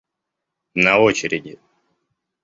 На очереди